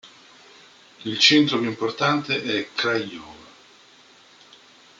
Il centro più importante è Craiova.